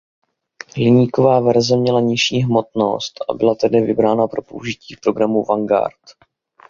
Hliníková verze měla nižší hmotnost a byla tedy vybrána pro použití v programu Vanguard.